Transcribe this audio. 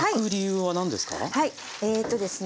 はいえとですね